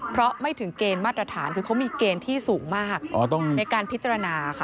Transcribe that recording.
เพราะไม่ถึงเกณฑ์มาตรฐานคือเขามีเกณฑ์ที่สูงมากในการพิจารณาค่ะ